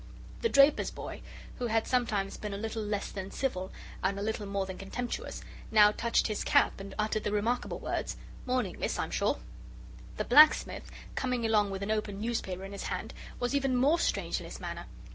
The draper's boy, who had sometimes been a little less than civil and a little more than contemptuous, now touched his cap, and uttered the remarkable words: "'Morning, Miss, I'm sure " The blacksmith, coming along with an open newspaper in his hand, was even more strange in his manner.